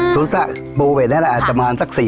สูตรค่ะปูเวทนี่แหละอาจรรมานสัก๔๐๐๐๐๐ปี